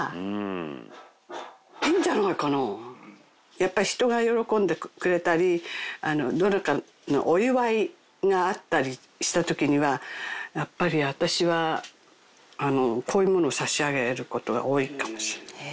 やっぱり人が喜んでくれたりどなたかのお祝いがあったりした時にはやっぱり私はこういうものを差し上げる事が多いかもしれない。